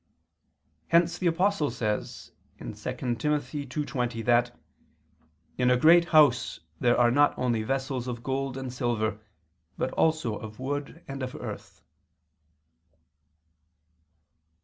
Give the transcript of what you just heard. Hence the Apostle says (2 Tim. 2:20) that "in a great house there are not only vessels of gold and silver, but also of wood and of earth."